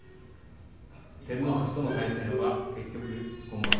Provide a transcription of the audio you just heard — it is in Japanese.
照ノ富士との対戦は結局、今場所